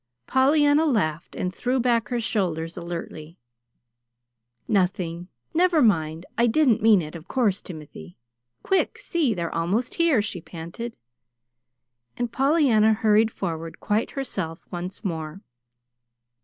Pollyanna laughed and threw back her shoulders alertly. "Nothing. Never mind! I didn't mean it, of course, Timothy. Quick see! They're almost here," she panted. And Pollyanna hurried forward, quite herself once more.